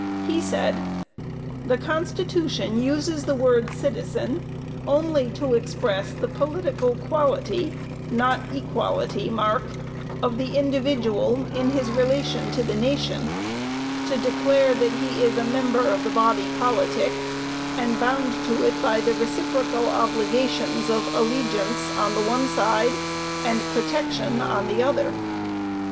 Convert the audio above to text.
He said: "The constitution uses the word 'citizen' only to express the political quality, (not equality mark,) of the individual in his relation to the nation; to declare that he is a member of the body politic, and bound to it by the reciprocal obligations of allegiance on the one side, and protection on the other.